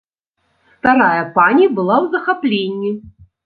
Старая пані была ў захапленні.